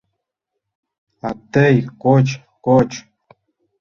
— А тый коч, коч.